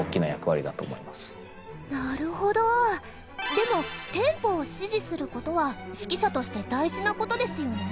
でもテンポを指示することは指揮者として大事なことですよね？